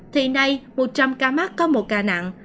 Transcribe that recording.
thì nay một trăm linh ca mắc có một ca nặng